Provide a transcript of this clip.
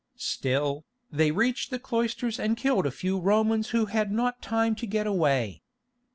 Still, they reached the cloisters and killed a few Romans who had not time to get away.